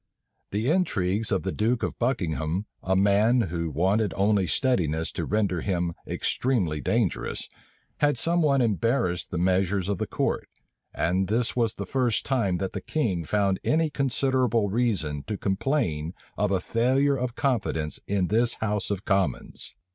The intrigues of the duke of Buckingham, a man who wanted only steadiness to render him extremely dangerous, had somewhat embarrassed the measures of the court: and this was the first time that the king found any considerable reason to complain of a failure of confidence in this house of commons.